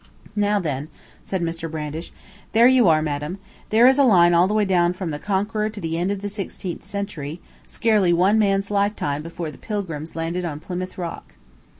"Now then," said Mr. Brandish, "there you are, madam. There is a line all the way down from the Conqueror to the end of the sixteenth century, scarcely one man's lifetime before the Pilgrims landed on Plymouth Rock."